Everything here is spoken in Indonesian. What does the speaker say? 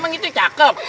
emang itu cakep